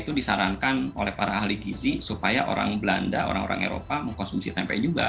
itu disarankan oleh para ahli gizi supaya orang belanda orang orang eropa mengkonsumsi tempe juga